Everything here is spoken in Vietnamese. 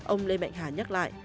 ông lê mạnh hà nhắc lại